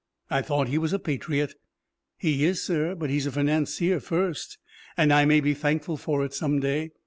I thought he was a patriot." "He is, sir, but he's a financier first, and I may be thankful for it some day.